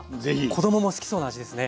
子どもも好きそうな味ですね。